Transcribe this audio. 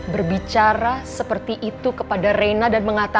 berbicara seperti itu kepada rizky